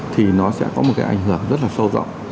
thì nó sẽ có một cái ảnh hưởng rất là sâu rộng